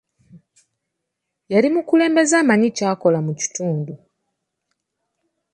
Yali mukulembeze amanyi ky'akola mu kitundu.